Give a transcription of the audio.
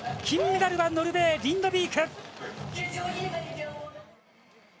金メダルはノルウェーリンドビーク。